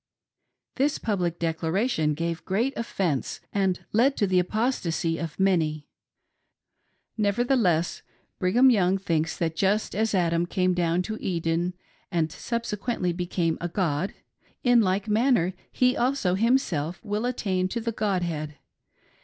This public declaration gave great offence and led to the apostacy of many. Nevertheless Brigham Young thinks that just as Adam came down to Eden and subsequently became a god, in like manner he, also himself will attain to the god head.